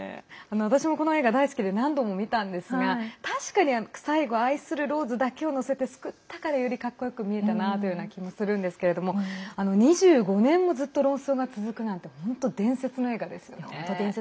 私も、この映画大好きで何度も見たんですが、確かに最後愛するローズだけを乗せて救ったからよりかっこよく見えたなというような気もするんですけれども２５年もずっと論争が続くなんて本当、伝説の映画ですよね。